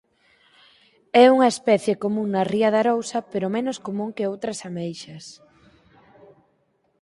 É unha especie común na Ría de Arousa pero menos común que outras ameixas.